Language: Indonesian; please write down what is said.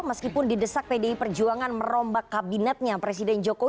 meskipun didesak pdi perjuangan merombak kabinetnya presiden jokowi